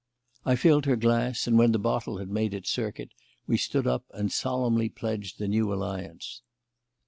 I filled her glass, and, when the bottle had made its circuit, we stood up and solemnly pledged the new alliance.